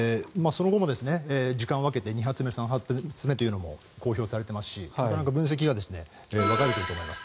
その後も時間を分けて２発目、３発目というのも公表されていますしなかなか分析が分かれていると思います。